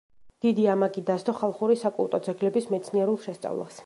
დიდი ამაგი დასდო ხალხური საკულტო ძეგლების მეცნიერულ შესწავლას.